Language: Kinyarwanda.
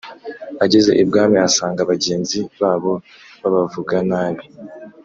ageze ibwami asanga bagenzi babo babavuga nabi